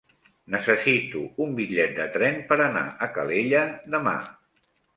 Necessito un bitllet de tren per anar a Calella demà.